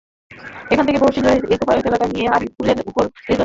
এখান থেকে বর্ষিজুরা ইকোপার্ক এলাকায় নিয়ে আরিফুলের ওপর নির্যাতন চালানো হয়।